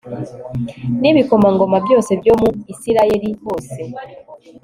n'ibikomangoma byose byo mu isirayeli hose